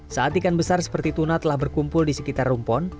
saat ikan besar seperti tuna telah berkumpul di sekitar rumpon